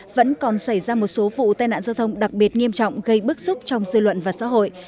vẫn còn xảy ra một số vụ tai nạn giao thông đặc biệt nghiêm trọng gây bức xúc trong dư luận và xã hội